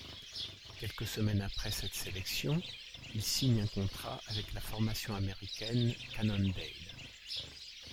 Quelques semaines après cette sélection, il signe un contrat avec la formation américaine Cannondale.